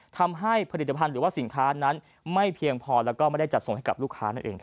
ทำให้ผลิตภัณฑ์หรือว่าสินค้านั้นไม่เพียงพอแล้วก็ไม่ได้จัดส่งให้กับลูกค้านั่นเอง